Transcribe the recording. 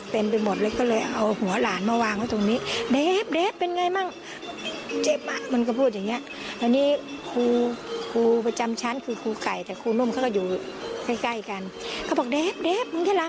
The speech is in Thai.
ทำลายของพวกจริงกับป้าดอยไปให้เป็นคนใหญ่